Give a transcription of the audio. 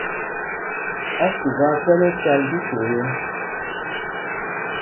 Ásûp aa kpɛ̌l ócāl tí cyûk yɛ̄.